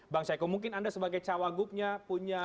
bang syaiko mungkin anda sebagai cawagupnya punya